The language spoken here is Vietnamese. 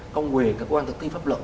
công quyền các cơ quan thực tiên pháp luật